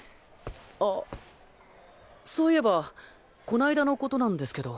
あそういえばこないだのことなんですけど。